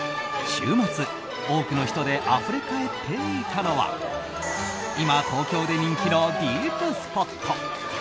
週末、多くの人であふれかえっていたのは今、東京で人気のディープスポット。